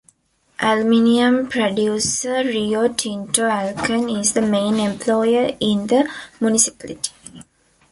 Aluminum producer Rio Tinto Alcan is the main employer in the municipality.